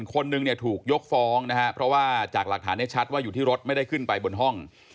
คนนึงเนี่ยถูกยกฟ้องนะฮะเพราะว่าจากหลักฐานเนี่ยชัดว่าอยู่ที่รถไม่ได้ขึ้นไปบนห้อง